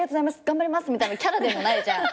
「頑張ります」みたいなキャラでもないじゃん。